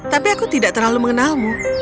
tapi aku tidak terlalu mengenalmu